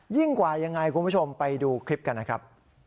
กว่ายังไงคุณผู้ชมไปดูคลิปกันนะครับ